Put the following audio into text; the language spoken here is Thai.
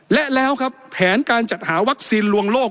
และแล้วครับแผนการจัดหาวัคซีนลวงโลก